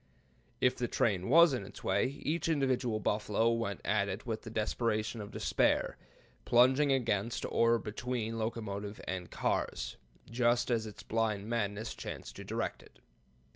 If the train was in its way, each individual buffalo went at it with the desperation of despair, plunging against or between locomotive and cars, just as its blind madness chanced to direct it.